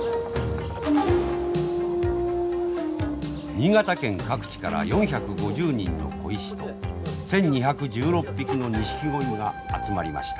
新潟県各地から４５０人の鯉師と１，２１６匹のニシキゴイが集まりました。